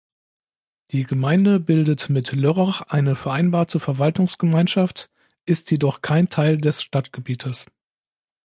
Die Gemeinde bildet mit Lörrach eine Vereinbarte Verwaltungsgemeinschaft, ist jedoch kein Teil des Stadtgebietes.